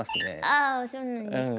あそうなんですか。